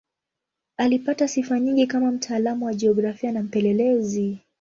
Alipata sifa nyingi kama mtaalamu wa jiografia na mpelelezi.